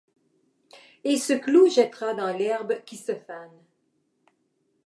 Et ce clou jettera dans l’herbe qui se fane